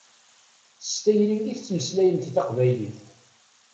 S tayri i tettmeslayemt taqbaylit.